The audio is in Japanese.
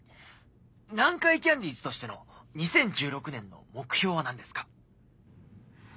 南海キャンディーズとしての２０１６年の目標は何ですか？